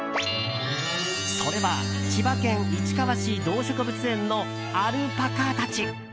それは千葉県、市川市動植物園のアルパカたち。